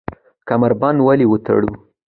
کمربند ولې وتړو؟